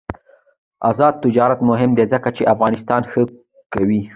آزاد تجارت مهم دی ځکه چې افغانستان ښه کوي.